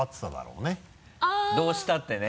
どうしたってね。